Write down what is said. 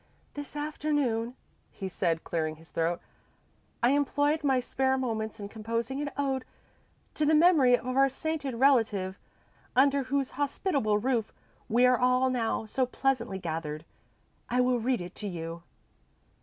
"This afternoon," he said, clearing his throat, "I employed my spare moments in composing an ode to the memory of our sainted relative, under whose hospitable roof we are all now so pleasantly gathered. I will read it to you."